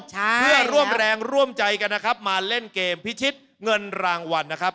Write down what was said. เพื่อร่วมแรงร่วมใจกันนะครับมาเล่นเกมพิชิตเงินรางวัลนะครับ